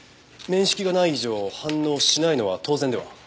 面識がない以上反応しないのは当然では？